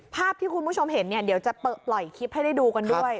ภาพที่คุณผู้ชมเห็นเนี่ยเดี๋ยวจะปล่อยคลิปให้ได้ดูกันด้วย